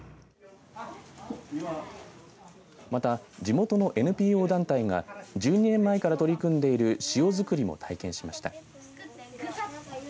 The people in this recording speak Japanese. また地元のＮＰＯ団体が１２年前から取り組んでいる塩づくりも体験しました。